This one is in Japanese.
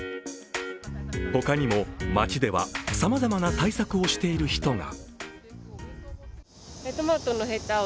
他にも、街ではさまざまな対策をしている人が。